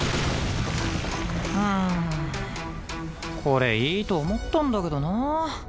これいいと思ったんだけどなぁ。